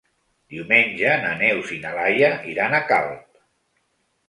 Diumenge na Neus i na Laia iran a Calp.